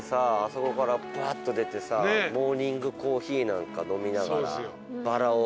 そこからバッと出てさモーニングコーヒーなんか飲みながらバラを眺めつつ。